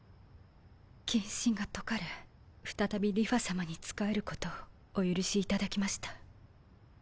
謹慎が解かれ再び梨花さまに仕えることをお許しいただきました。